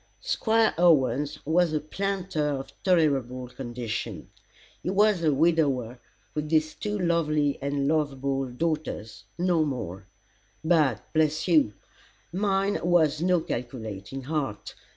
Squire Owens was a planter of tolerable condition. He was a widower, with these two lovely and lovable daughters no more. But, bless you! Mine was no calculating heart.